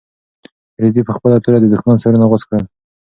رېدي په خپله توره د دښمن سرونه غوڅ کړل.